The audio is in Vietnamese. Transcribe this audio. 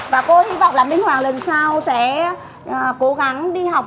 và cô hy vọng là minh hoàng lần sau sẽ cố gắng đi học